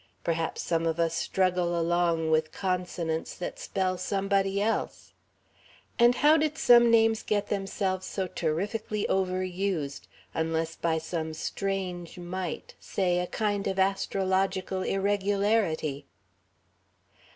Perhaps some of us struggle along with consonants that spell somebody else. And how did some names get themselves so terrifically overused unless by some strange might, say, a kind of astrological irregularity....